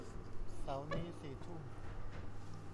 เสาร์นี้สี่ทุ่ม